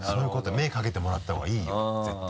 目かけてもらったほうがいいよ絶対。